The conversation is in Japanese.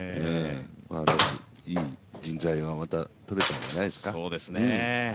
でもいい人材がまた取れたんじゃないですか。